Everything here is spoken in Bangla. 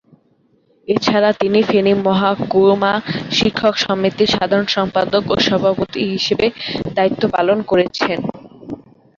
এছাড়া তিনি ফেনী মহকুমা শিক্ষক সমিতির সাধারণ সম্পাদক ও সভাপতি হিসেবে দায়িত্ব পালন করেছেন।